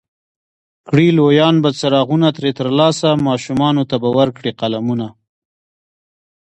کړي لویان به څراغونه ترې ترلاسه، ماشومانو ته به ورکړي قلمونه